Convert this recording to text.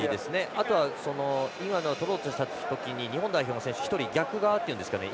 あとは、今のとろうとした時に日本代表の選手１人、逆側っていうんですかね